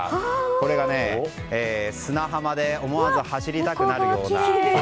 これが、砂浜で思わず走りたくなるような。